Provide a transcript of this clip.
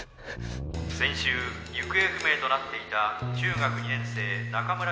先週行方不明となっていた中学２年生中村優香さんが。